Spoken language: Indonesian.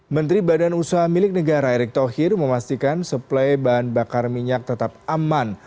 menteri badan usaha milik negara erick thohir memastikan suplai bahan bakar minyak tetap aman